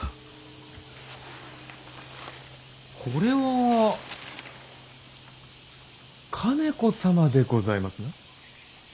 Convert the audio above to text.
これは兼子様でございますな。